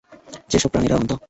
যেসব প্রাণীরা অন্ধ?